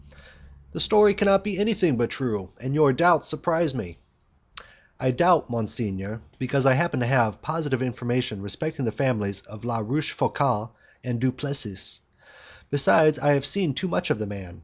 "The story cannot be anything but true, and your doubts surprise me." "I doubt, monsignor, because I happen to have positive information respecting the families of La Rochefoucault and Du Plessis. Besides, I have seen too much of the man.